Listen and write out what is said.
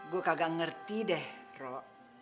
gue kagak ngerti deh ro